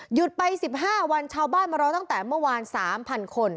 ไป๑๕วันชาวบ้านมารอตั้งแต่เมื่อวาน๓๐๐คน